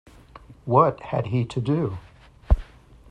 What had he to do?